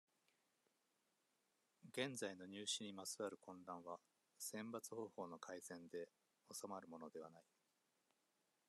現在の入試にまつわる混乱は、選抜方法の改善で収まるものではない。